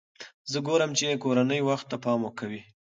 زه ګورم چې کورنۍ وخت ته پام کوي.